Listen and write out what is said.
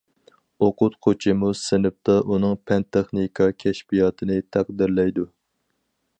ئوقۇتقۇچىمۇ سىنىپتا ئۇنىڭ پەن- تېخنىكا كەشپىياتىنى تەقدىرلەيدۇ.